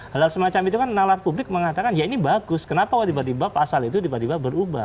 hal hal semacam itu kan nalar publik mengatakan ya ini bagus kenapa kok tiba tiba pasal itu tiba tiba berubah